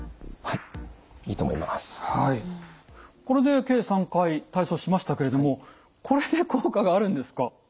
これで計３回体操しましたけれどもこれで効果があるんですか？